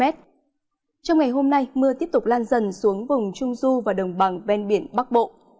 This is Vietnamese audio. trong ngày hôm nay mưa tiếp tục lan dần xuống vùng trung du và đồng bằng ven biển bắc bộ